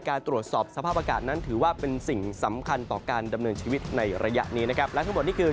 ตรวจสอบสภาพอากาศนั้นถือว่าเป็นสิ่งสำคัญต่อการดำเนินชีวิตในระยะนี้นะครับและทั้งหมดนี่คือ